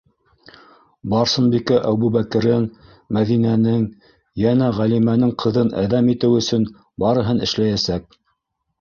Барсынбикә Әбүбәкерен, Мәҙинәнең, йәнә Ғәлимәнең ҡыҙын әҙәм итеү өсөн барыһын эшләйәсәк.